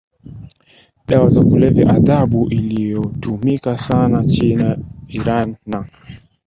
dawa za kulevya adhabu inayotumika sana China Iran na